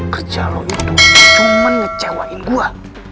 kerja lo itu cuman ngecewain gue